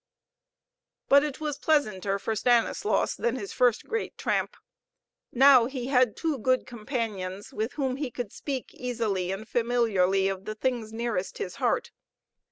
But it was pleasanter. for Stanislaus than his first great tramp. Now he had two good companions, with whom he could speak easily and familiarly of the things nearest his heart.